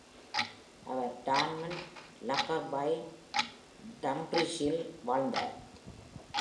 அவர் Dormont, Lockerbie, டம்ஃப்ரீஸில் வாழ்ந்தார்.